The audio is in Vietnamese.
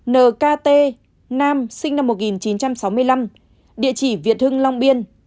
chín nkt nam sinh năm một nghìn chín trăm tám mươi chín địa chỉ thanh liệt thanh trì